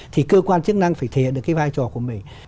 thì cơ quan chức năng phải thể hiện được cái vai trò của mình